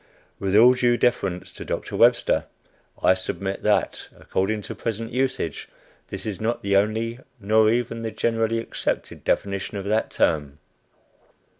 With all due deference to Doctor Webster, I submit that, according to present usage, this is not the only, nor even the generally accepted definition of that term.